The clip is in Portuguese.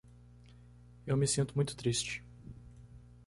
Eu me sinto muito triste